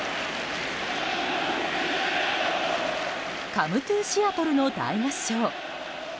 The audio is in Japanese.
「カムトゥシアトル」の大合唱。